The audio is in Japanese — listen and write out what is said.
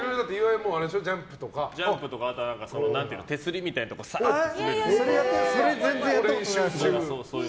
ジャンプとか、あとは手すりみたいなところをサーッてやったりとか。